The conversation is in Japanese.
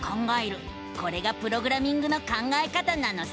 これがプログラミングの考え方なのさ！